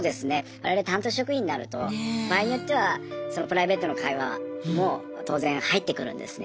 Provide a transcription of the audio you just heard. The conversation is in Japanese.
我々担当職員になると場合によってはプライベートの会話も当然入ってくるんですね。